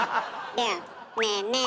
ではねえねえ